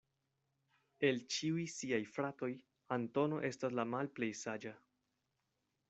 El ĉiuj siaj fratoj Antono estas la malplej saĝa.